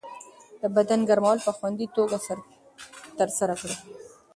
د بدن ګرمول په خوندي توګه ترسره کړئ.